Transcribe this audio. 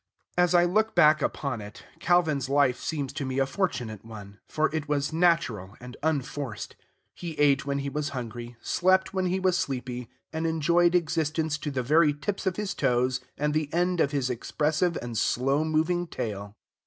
As I look back upon it, Calvin's life seems to me a fortunate one, for it was natural and unforced. He ate when he was hungry, slept when he was sleepy, and enjoyed existence to the very tips of his toes and the end of his expressive and slow moving tail.